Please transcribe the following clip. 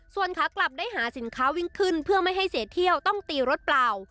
ส่วนขากลับได้หาสินค้าวิ่งขึ้นเพื่อไม่ให้เสียเที่ยวต้องตีรถเปล่า